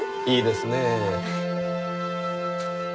いいですねぇ。